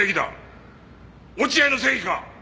落合の正義か？